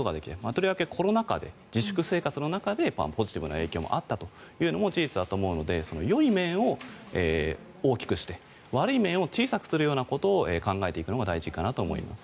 とりわけコロナ禍で自粛生活の中でポジティブな影響もあったというのも事実だと思うのでよい面を大きくして悪い面を小さくするようなことを考えていくのが大事かなと思います。